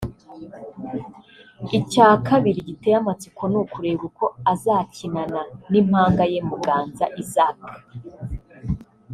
Icya kabiri giteye amatsiko ni ukureba uko azakinana n’impanga ye Muganza Isaac